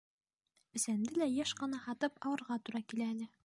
Бесәнде лә йыш ҡына һатып алырға тура килә әле.